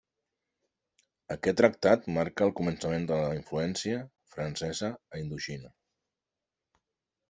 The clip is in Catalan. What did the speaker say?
Aquest tractat marca el començament de la influència francesa a Indoxina.